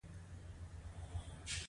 دا د هر فرد په عیني وجود کې نغښتی.